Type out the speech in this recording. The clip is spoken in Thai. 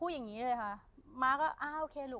หม่อม้าก็อ่าโอเคลุก